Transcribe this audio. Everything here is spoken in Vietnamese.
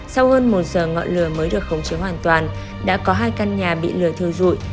sau hơn một giờ ngọn lửa mới được khống chiếu hoàn toàn đã có hai căn nhà bị lửa thưa rụi